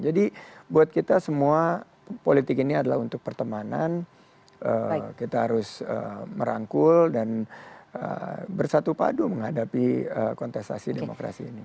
jadi buat kita semua politik ini adalah untuk pertemanan kita harus merangkul dan bersatu padu menghadapi kontestasi demokrasi ini